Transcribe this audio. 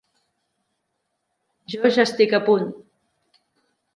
Jo ja estic a punt.